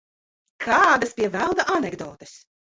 Kādas, pie velna, anekdotes?